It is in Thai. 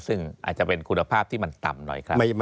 ซึ่งอาจจะเป็นคุณภาพที่มันต่ำหน่อยครับ